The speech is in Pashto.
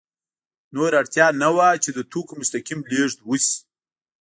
نور اړتیا نه وه چې د توکو مستقیم لېږد وشي